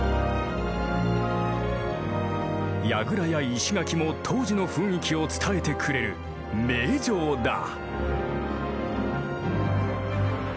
櫓や石垣も当時の雰囲気を伝えてくれる名城だ。